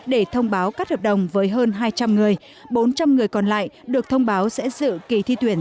để thông báo cắt hợp đồng với hơn hai trăm linh người bốn trăm linh người còn lại được thông báo sẽ dự kỳ thi tuyển